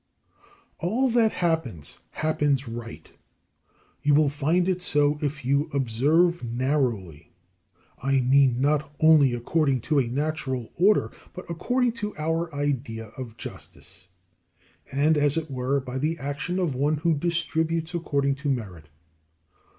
10. All that happens, happens right: you will find it so if you observe narrowly. I mean not only according to a natural order, but according to our idea of justice, and, as it were, by the action of one who distributes according to merit.